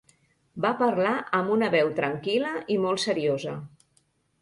Va parlar amb una veu tranquil·la i molt seriosa.